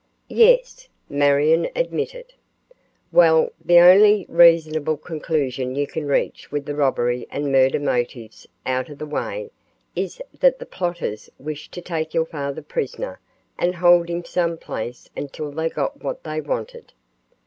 "Yes," Marion admitted. "Well, the only reasonable conclusion you can reach with the robbery and murder motives out of the way, is that the plotters wished to take your father prisoner and hold him some place until they got what they wanted."